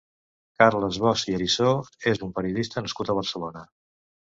Carles Bosch i Arisó és un periodista nascut a Barcelona.